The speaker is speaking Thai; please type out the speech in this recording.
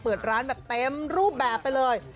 เปิดร้านแบบเต็มรูปแบบไปเลย